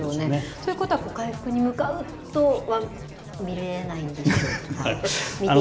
ということは、回復に向かうとは見れないんでしょうか。